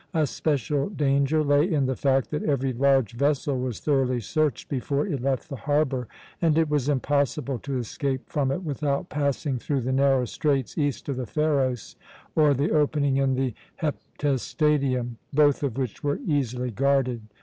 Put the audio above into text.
A special danger lay in the fact that every large vessel was thoroughly searched before it left the harbour, and it was impossible to escape from it without passing through the narrow straits east of the Pharos or the opening in the Heptastadium, both of which were easily guarded.